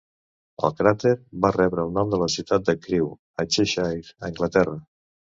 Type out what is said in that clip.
El cràter va rebre el nom de la ciutat de Crewe, a Cheshire, Anglaterra.